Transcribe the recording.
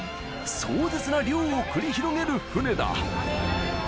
壮絶な漁を繰り広げる船だ